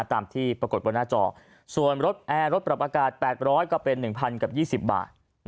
ตามที่ปรากฏบนหน้าจอส่วนรถแอร์รถปรับอากาศ๘๐๐ก็เป็น๑๐๐กับ๒๐บาท